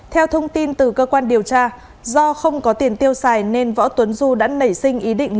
theo thông tin từ cơ quan điều tra do không có tiền tiêu xài nên võ tuấn du đã nảy sinh ý định